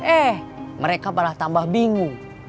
eh mereka malah tambah bingung